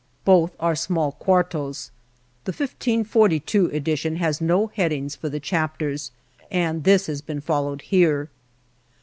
Both are small quartos. The 1542 edition has no headings for chapters, and this has been fol lowed here.